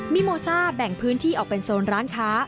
มีโมซ่าแบ่งพื้นที่ออกเป็นโซนร้านค้า